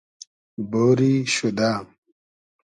بۉری شودۂ